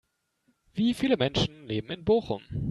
Wie viele Menschen leben in Bochum?